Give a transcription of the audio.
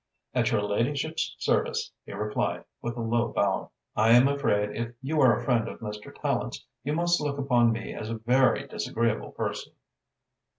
"At your ladyship's service," he replied, with a low bow. "I am afraid if you are a friend of Mr. Tallente's you must look upon me as a very disagreeable person."